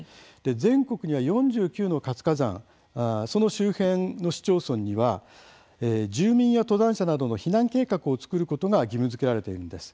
全国には４９の活火山その周辺の市町村には住民や登山者などの避難計画を作ることが義務づけられているんです。